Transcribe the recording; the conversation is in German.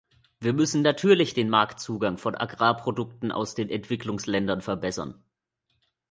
Wir müssen natürlich den Marktzugang von Agrarprodukten aus den Entwicklungsländern verbessern.